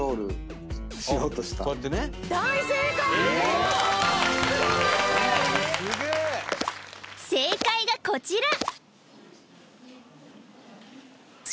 すげーっ正解がこちら